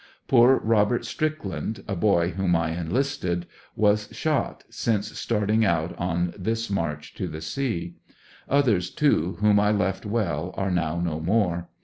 Poor Robt. Strickland, a boy whom I enlisted, was shot since starting out on this march to the sea. Others too, wJiom I left well are now no more.